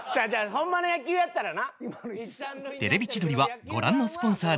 ホンマの野球やったらな？